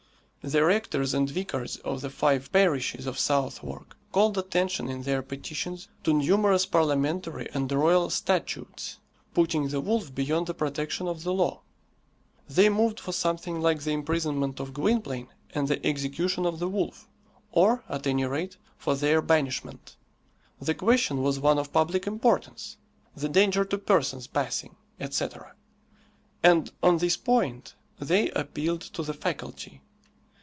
The rectors and vicars of the five parishes of Southwark called attention in their petitions to numerous parliamentary and royal statutes putting the wolf beyond the protection of the law. They moved for something like the imprisonment of Gwynplaine and the execution of the wolf, or at any rate for their banishment. The question was one of public importance, the danger to persons passing, etc. And on this point, they appealed to the Faculty.